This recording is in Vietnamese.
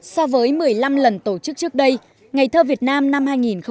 so với một mươi năm lần tổ chức trước đây ngày thơ việt nam năm hai nghìn một mươi tám